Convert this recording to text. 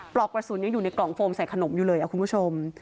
ปลอกกระสุนยังอยู่ในกล่องโฟมใส่ขนมอยู่เลยคุณผู้ชม